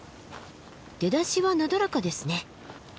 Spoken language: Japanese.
出だしはなだらかですね。